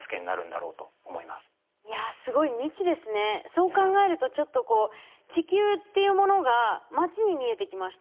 そう考えるとちょっとこう地球っていうものが町に見えてきました。